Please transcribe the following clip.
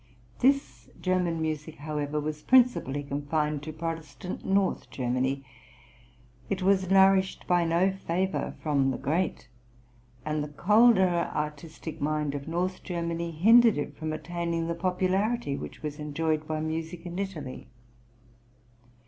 This German music, however, was principally confined to Protestant North Germany; it was nourished by no favour from the great, and the colder artistic mind of North Germany hindered it from attaining the popularity which was enjoyed by music in Italy.